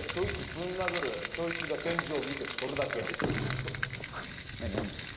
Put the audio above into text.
ぶん殴るそいつが天井を見てるそれだけそ何やんの？